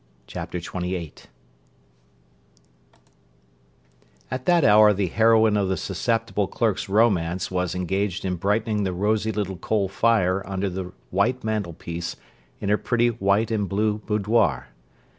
Chapter XXVIII At that hour the heroine of the susceptible clerk's romance was engaged in brightening the rosy little coal fire under the white mantelpiece in her pretty white and blue boudoir.